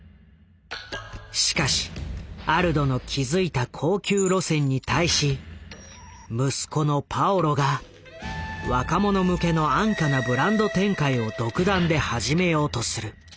しかしアルドの築いた高級路線に対し息子のパオロが若者向けの安価なブランド展開を独断で始めようとする。